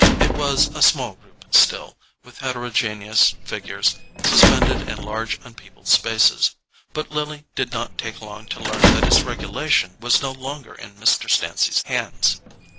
It was a small group still, with heterogeneous figures suspended in large unpeopled spaces; but Lily did not take long to learn that its regulation was no longer in Mr. Stancy's hands.